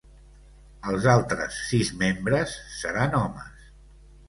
Els altres sis membres seran homes.